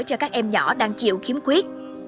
cho các em nhỏ đang chịu khiếm quyết